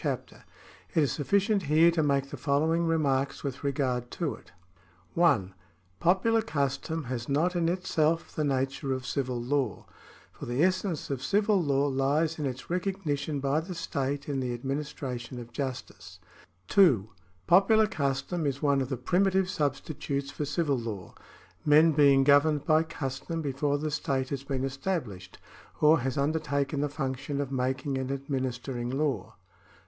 See § 56. 56 OTHER KINDS OF LAW \^ 19 (1) Popular custom has not in itself the nature of civil law ; for the essence of civil law lies in its recognition by the state in the administration of justice. (2) Popular custom is one of the primitive substitutes for civil law, men being governed by custom before the state has been established or has undertaken the function of making and administering law.